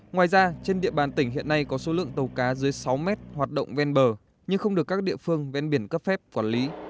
ngoài ra trên địa bàn tỉnh hiện nay có số lượng tàu cá dưới sáu mét hoạt động ven bờ nhưng không được các địa phương ven biển cấp phép quản lý